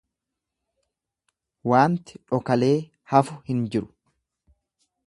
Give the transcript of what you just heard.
Waanti dhokalee hafu hin jiru.